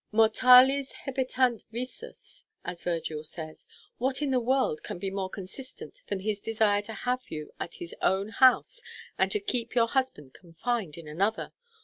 Mortales hebetant visus, as Virgil says. What in the world can be more consistent than his desire to have you at his own house and to keep your husband confined in another?